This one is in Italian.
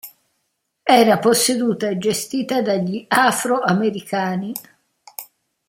Era posseduta e gestita dagli Afroamericani.